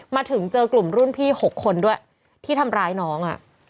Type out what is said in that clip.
มาถึงเจอกลุ่มรุ่นพี่๖คนด้วยที่ทำร้ายน้อง